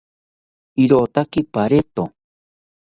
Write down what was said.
Irotaki pareto